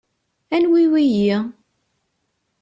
Anwi wiyi?